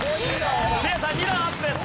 せいやさん２段アップです。